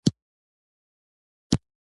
زما ورور د کمپیوټر زده کړي کړیدي